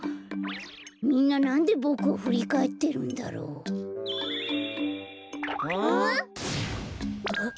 みんななんでボクをふりかえってるんだろう？ん？あっ！